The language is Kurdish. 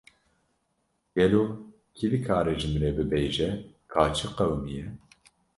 Gelo kî dikare ji min re bibêje ka çi qewimiye?